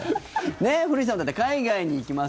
古市さん、海外に行きます。